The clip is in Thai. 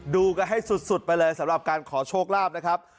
ดูกันให้สุดไปเลยสำหรับการขอโชคลาภนะครับ